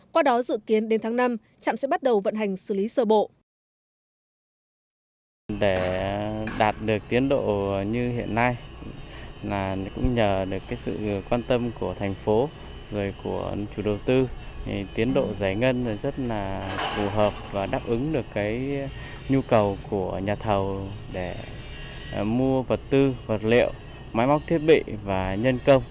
qua đó dự kiến đến tháng năm trạm sẽ bắt đầu vận hành xử lý sơ bộ